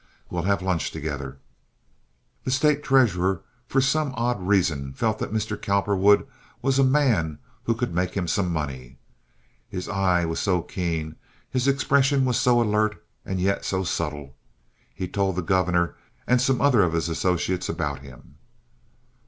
We'll have lunch together." The State treasurer, for some odd reason, felt that Mr. Cowperwood was a man who could make him some money. His eye was so keen; his expression was so alert, and yet so subtle. He told the governor and some other of his associates about him.